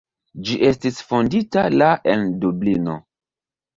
Ĝi estis fondita la en Dublino.